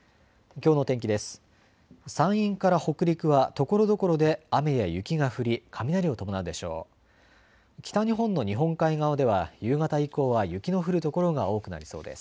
きょうの天気です。